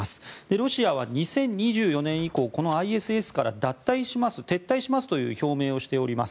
ロシアは２０２４年以降このＩＳＳから脱退します、撤退しますという表明をしております。